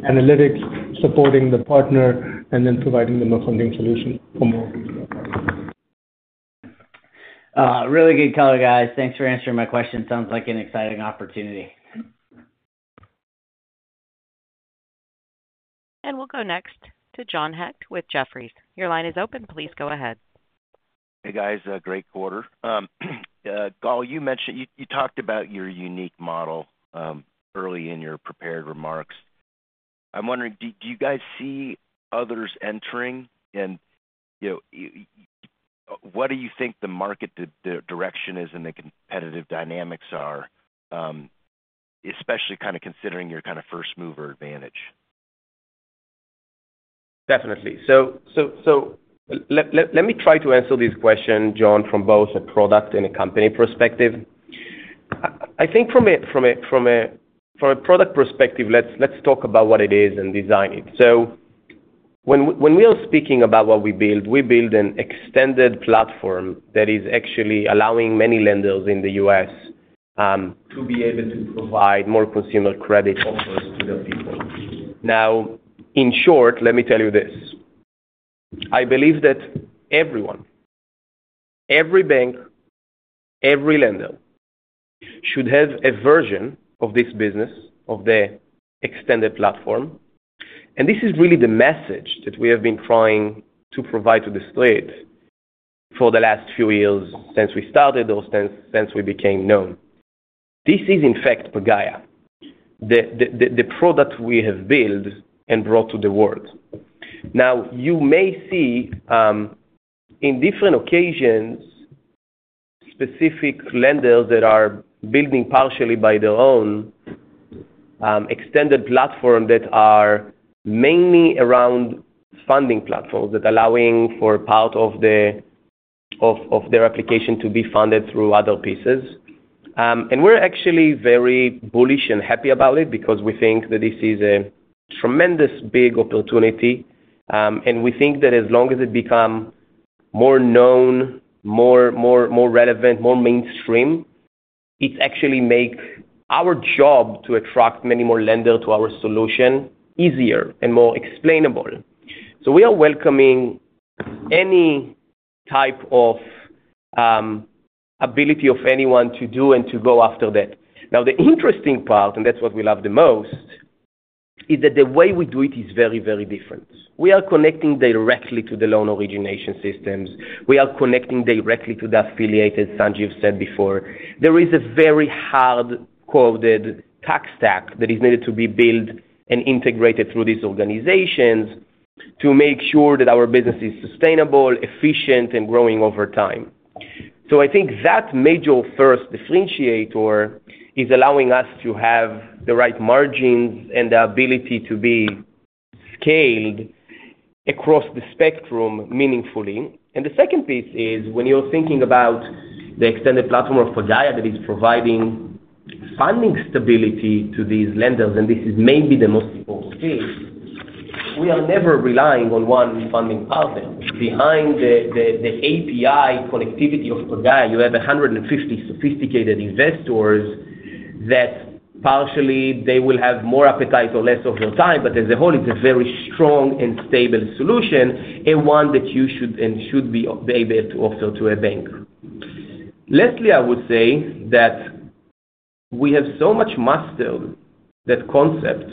analytics, supporting the partner, and then providing them a funding solution for more. Really good color, guys. Thanks for answering my question. Sounds like an exciting opportunity. We will go next to John Hecht with Jefferies. Your line is open. Please go ahead. Hey, guys. Great quarter. Gal, you mentioned you talked about your unique model early in your prepared remarks. I'm wondering, do you guys see others entering? What do you think the market direction is and the competitive dynamics are, especially kind of considering your kind of first mover advantage? Definitely. Let me try to answer this question, John, from both a product and a company perspective. I think from a product perspective, let's talk about what it is and design it. When we are speaking about what we build, we build an extended platform that is actually allowing many lenders in the U.S. to be able to provide more consumer credit offers to their people. In short, let me tell you this. I believe that everyone, every bank, every lender should have a version of this business of the extended platform. This is really the message that we have been trying to provide to the street for the last few years since we started or since we became known. This is, in fact, Pagaya, the product we have built and brought to the world. You may see in different occasions specific lenders that are building partially by their own extended platform that are mainly around funding platforms that are allowing for part of their application to be funded through other pieces. We're actually very bullish and happy about it because we think that this is a tremendous big opportunity. We think that as long as it becomes more known, more relevant, more mainstream, it actually makes our job to attract many more lenders to our solution easier and more explainable. We are welcoming any type of ability of anyone to do and to go after that. The interesting part, and that's what we love the most, is that the way we do it is very, very different. We are connecting directly to the loan origination systems. We are connecting directly to the affiliates, as Sanjiv said before. There is a very hard-coded tech stack that is needed to be built and integrated through these organizations to make sure that our business is sustainable, efficient, and growing over time. I think that major first differentiator is allowing us to have the right margins and the ability to be scaled across the spectrum meaningfully. The second piece is when you're thinking about the extended platform of Pagaya that is providing funding stability to these lenders, and this is maybe the most important piece, we are never relying on one funding partner. Behind the API collectivity of Pagaya, you have 150 sophisticated investors that partially they will have more appetite or less over time, but as a whole, it's a very strong and stable solution, one that you should and should be able to offer to a bank. Lastly, I would say that we have so much mastered that concept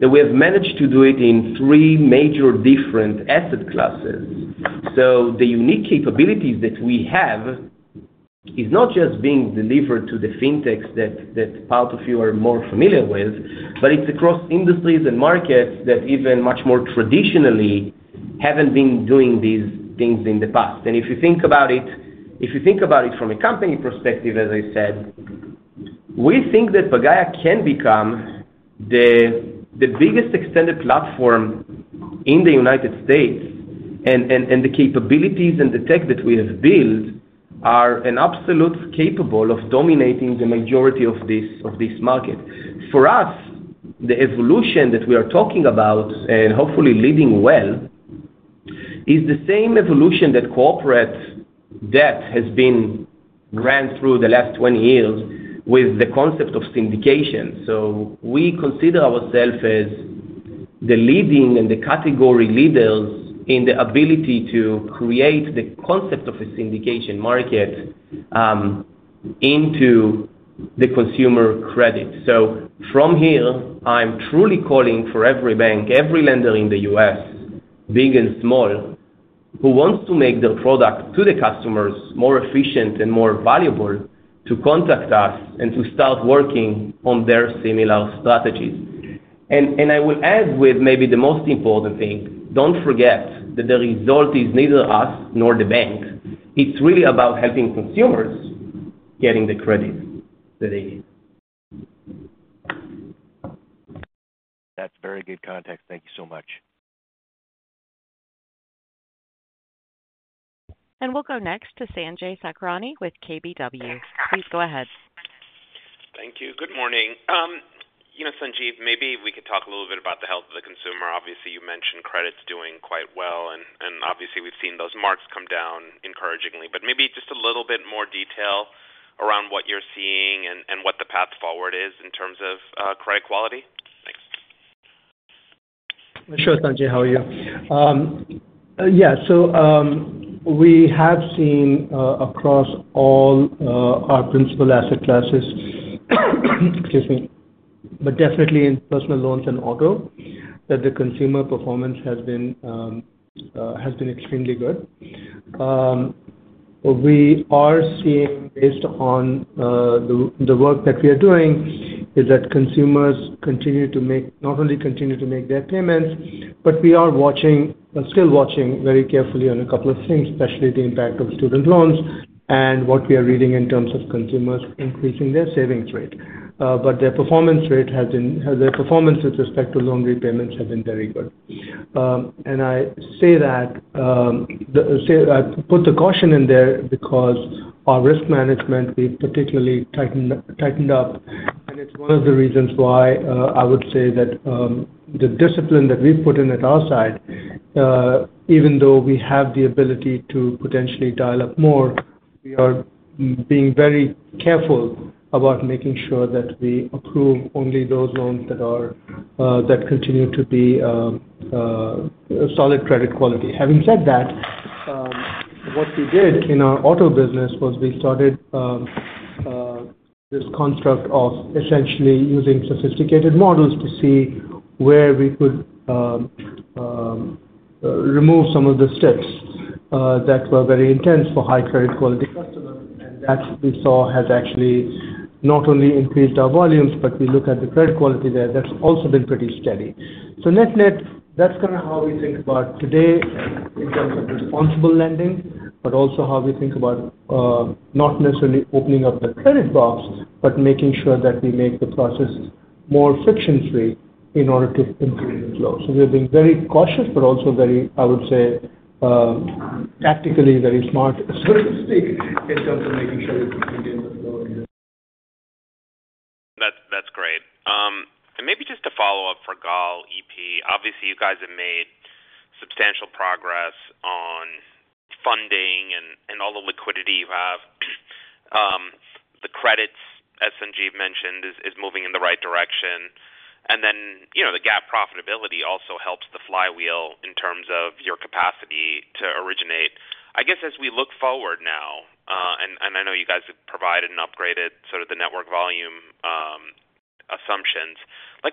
that we have managed to do it in three major different asset classes. The unique capabilities that we have are not just being delivered to the fintechs that part of you are more familiar with, but it's across industries and markets that even much more traditionally haven't been doing these things in the past. If you think about it from a company perspective, as I said, we think that Pagaya Technologies can become the biggest extended platform in the U.S. The capabilities and the tech that we have built are absolutely capable of dominating the majority of this market. For us, the evolution that we are talking about and hopefully leading well is the same evolution that corporate debt has been running through the last 20 years with the concept of syndication. We consider ourselves as the leading and the category leaders in the ability to create the concept of a syndication market into the consumer credit. From here, I'm truly calling for every bank, every lender in the U.S., big and small, who wants to make their product to the customers more efficient and more valuable to contact us and to start working on their similar strategies. I will add with maybe the most important thing, don't forget that the result is neither us nor the bank. It's really about helping consumers get the credit that they need. That's very good context. Thank you so much. And we'll go next to Sanjay Sakhrani with KBW. Please go ahead. Thank you. Good morning. Sanjiv, maybe we could talk a little bit about the health of the consumer. Obviously, you mentioned credit's doing quite well, and we've seen those marks come down encouragingly, but maybe just a little bit more detail around what you're seeing and what the path forward is in terms of credit quality? Thanks. Sure, Sanjay. How are you? Yeah, we have seen across all our principal asset classes, excuse me, but definitely in personal loans and auto, that the consumer performance has been extremely good. We are seeing, based on the work that we are doing, that consumers continue to make, not only continue to make their payments, but we are still watching very carefully on a couple of things, especially the impact of student loans and what we are reading in terms of consumers increasing their savings rate. Their performance with respect to loan repayments has been very good. I put the caution in there because our risk management, we've particularly tightened up, and it's one of the reasons why I would say that the discipline that we've put in at our side, even though we have the ability to potentially dial up more, we are being very careful about making sure that we approve only those loans that continue to be solid credit quality. Having said that, what we did in our auto business was we started this construct of essentially using sophisticated models to see where we could remove some of the steps that were very intense for high credit quality customers. That has actually not only increased our volumes, but when we look at the credit quality there, that's also been pretty steady. Net-net, that's kind of how we think about today in terms of responsible lending, but also how we think about not necessarily opening up the credit box, but making sure that we make the process more friction-free in order to improve the flow. We're being very cautious, but also very, I would say, tactically very smart, so to speak, in terms of making sure that we can do the flow. That's great. Maybe just a follow-up for Gal, EP. Obviously, you guys have made substantial progress on funding and all the liquidity you have. The credits, as Sanjiv mentioned, is moving in the right direction. The GAAP profitability also helps the flywheel in terms of your capacity to originate. I guess as we look forward now, and I know you guys have provided and upgraded sort of the network volume assumptions,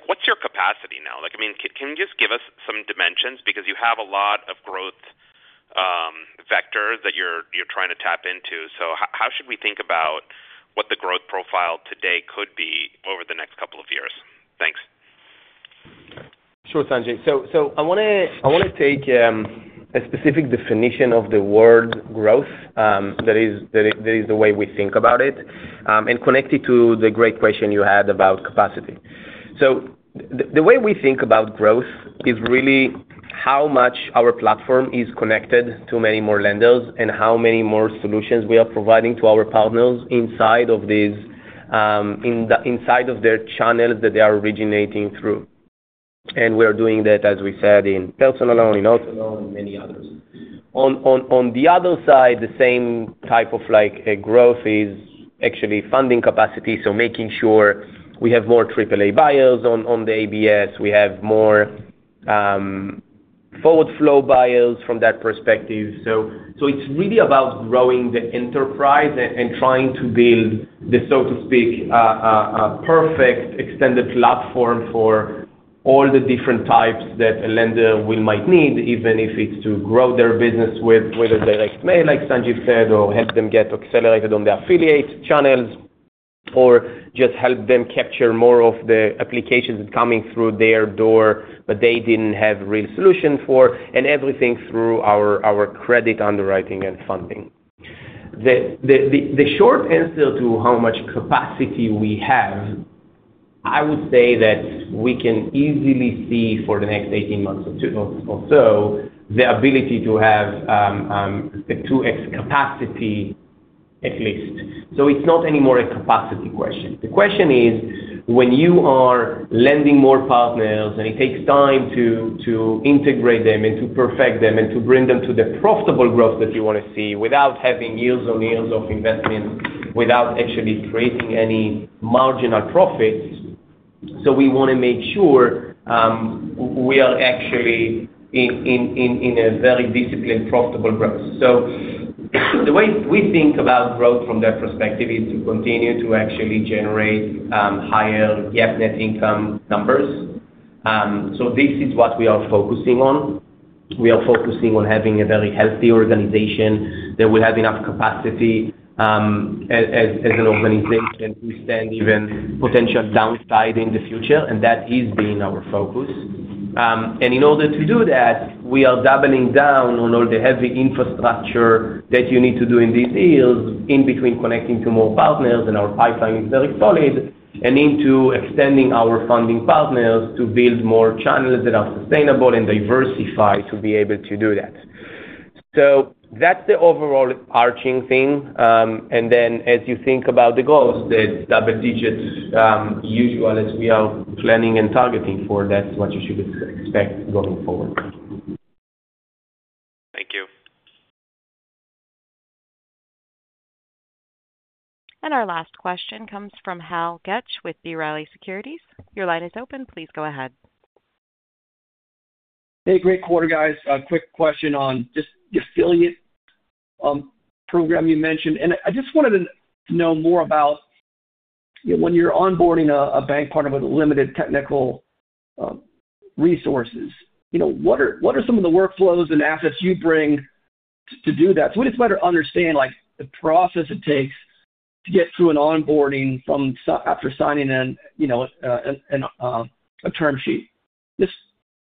what's your capacity now? I mean, can you just give us some dimensions? You have a lot of growth vectors that you're trying to tap into. How should we think about what the growth profile today could be over the next couple of years? Thanks. Sure, Sanjiv. I want to take a specific definition of the word growth. That is the way we think about it and connect it to the great question you had about capacity. The way we think about growth is really how much our platform is connected to many more lenders and how many more solutions we are providing to our partners inside of their channels that they are originating through. We are doing that, as we said, in personal loans, in auto loans, and many others. On the other side, the same type of growth is actually funding capacity, making sure we have more AAA buyers on the ABS. We have more forward flow buyers from that perspective. It's really about growing the enterprise and trying to build the, so to speak, perfect extended platform for all the different types that a lender might need, even if it's to grow their business with whether direct mail, like Sanjiv said, or help them get accelerated on the affiliate channels, or just help them capture more of the applications coming through their door, but they didn't have a real solution for, and everything through our credit underwriting and funding. The short answer to how much capacity we have, I would say that we can easily see for the next 18 months or so the ability to have a 2X capacity at least. It's not anymore a capacity question. The question is when you are lending more partners and it takes time to integrate them and to perfect them and to bring them to the profitable growth that you want to see without having years and years of investment, without actually creating any marginal profits. We want to make sure we are actually in a very disciplined, profitable growth. The way we think about growth from that perspective is to continue to actually generate higher GAAP net income numbers. This is what we are focusing on. We are focusing on having a very healthy organization that will have enough capacity as an organization to stand even potential downside in the future. That is being our focus. In order to do that, we are doubling down on all the heavy infrastructure that you need to do in these deals, in between connecting to more partners and our pipeline is very solid, and into extending our funding partners to build more channels that are sustainable and diversified to be able to do that. That's the overall arching thing. As you think about the goals, there's double digit usual as we are planning and targeting for that's what you should expect going forward. Thank you. Our last question comes from Harold Goetsch with B. Riley Securities. Your line is open. Please go ahead. Hey, great quarter, guys. A quick question on just the affiliate program you mentioned. I just wanted to know more about when you're onboarding a bank partner with limited technical resources, what are some of the workflows and assets you'd bring to do that? We just better understand the process it takes to get through an onboarding from after signing in a term sheet.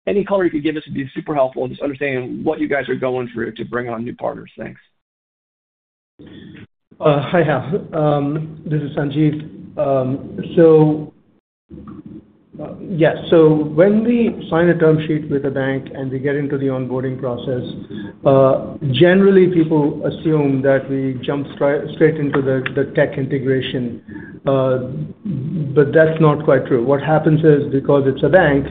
Any color you could give us would be super helpful in just understanding what you guys are going through to bring on new partners. Thanks. Hi Hal. This is Sanjiv. Yes, when we sign a term sheet with a bank and we get into the onboarding process, generally, people assume that we jump straight into the tech integration, but that's not quite true. What happens is because it's a bank,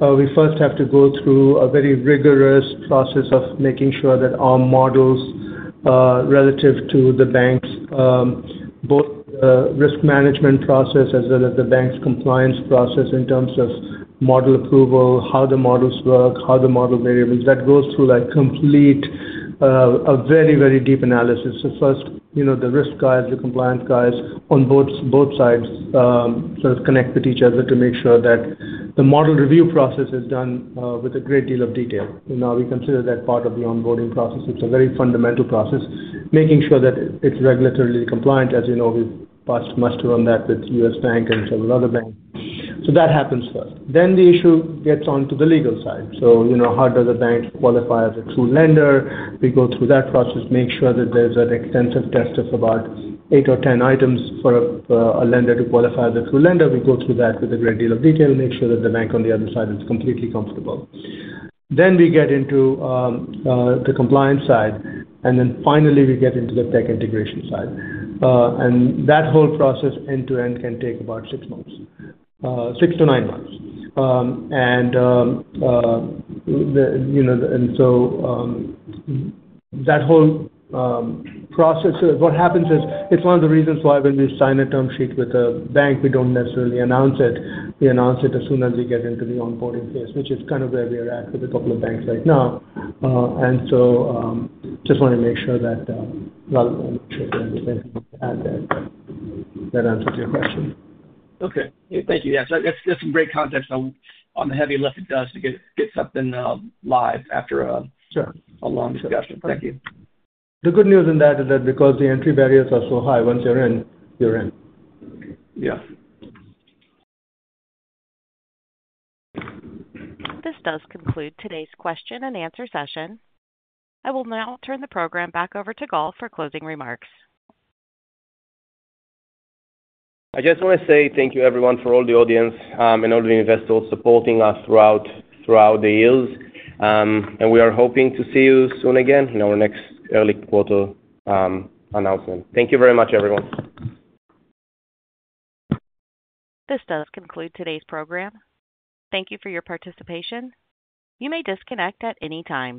we first have to go through a very rigorous process of making sure that our models relative to the bank's both risk management process as well as the bank's compliance process in terms of model approval, how the models work, how the model variables that go through complete a very, very deep analysis. First, the risk guys, the compliance guys on both sides sort of connect with each other to make sure that the model review process is done with a great deal of detail. We consider that part of the onboarding process. It's a very fundamental process, making sure that it's regulatory compliant. As you know, we've passed much from that with the U.S. Bank and several other banks. That happens first. The issue gets onto the legal side. How does a bank qualify as a true lender? We go through that process, make sure that there's an extensive test of about 8 or 10 items for a lender to qualify as a true lender. We go through that with a great deal of detail, make sure that the bank on the other side is completely comfortable. We get into the compliance side, and finally, we get into the tech integration side. That whole process end-to-end can take about six months, 6-9 months. That whole process is one of the reasons why when we sign a term sheet with a bank, we don't necessarily announce it. We announce it as soon as we get into the onboarding phase, which is kind of where we are at with a couple of banks right now. I just want to make sure that I'll only check in if I can add that. That answers your question. Okay. Thank you. Yeah, it's great context on the heavy lift it does to get something live after a long discussion. Thank you. The good news in that is that because the entry barriers are so high, once you're in, you're in. Yes. This does conclude today's question-and-answer session. I will now turn the program back over to Gal for closing remarks. I just want to say thank you, everyone, for all the audience and all the investors supporting us throughout the years. We are hoping to see you soon again in our next early quarter announcement. Thank you very much, everyone. This does conclude today's program. Thank you for your participation. You may disconnect at any time.